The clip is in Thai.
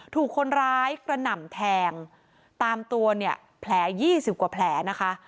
ถูกคนร้ายกระหน่ำแทงตามตัวเนี่ยแผล๒๐กว่าแผลนะคะ